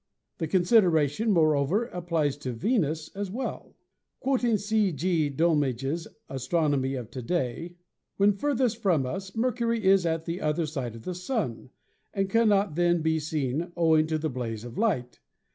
The consideration, moreover, ap plies to Venus as well. Quoting C. G. Dolmage's "Astronomy of To day," "when furthest from us Mercury is at the other side of the Sun, and cannot then be seen owing to the blaze of light.